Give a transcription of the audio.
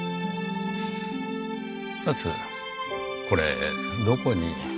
これどこに？